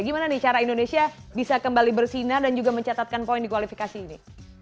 gimana nih cara indonesia bisa kembali bersinar dan juga mencatatkan poin di kualifikasi ini